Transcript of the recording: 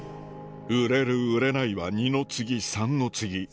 売れる売れないは二の次三の次